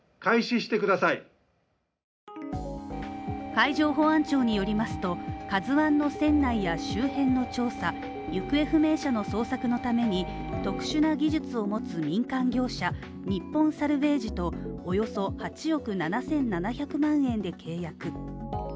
海上保安庁によりますと、「ＫＡＺＵ１」の船内や周辺の調査、行方不明者の捜索のために特殊な技術を持つ民間業者日本サルベージと、およそ８億７７００万円で契約。